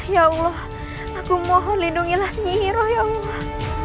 ya allah aku mohon lindungilah nihiro ya allah